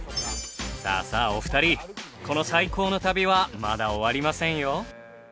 さあさあお二人この最高の旅はまだ終わりませんよ！